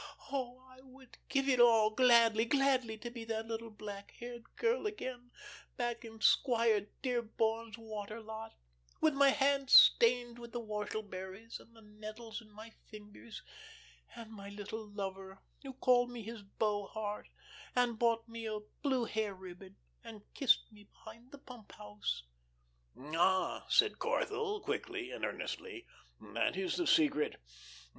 Oh, I would give it all gladly, gladly, to be that little black haired girl again, back in Squire Dearborn's water lot; with my hands stained with the whortle berries and the nettles in my fingers and my little lover, who called me his beau heart and bought me a blue hair ribbon, and kissed me behind the pump house." "Ah," said Corthell, quickly and earnestly, "that is the secret.